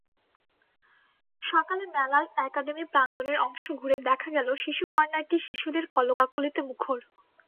সকালে মেলার একাডেমি প্রাঙ্গণের অংশ ঘুরে দেখা গেল, শিশু কর্নারটি শিশুদের কলকাকলিতে মুখর।